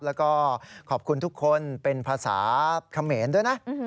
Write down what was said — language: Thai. แล้วก็ขอบคุณทุกคนเป็นภาษาเขมรด้วยนะ